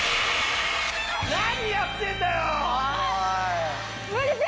何やってんだよ！